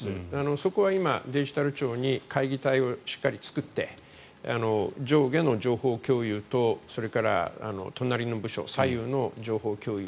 そこは今、デジタル庁に会議体をしっかり作って上下の情報共有とそれから隣の部署左右の情報共有。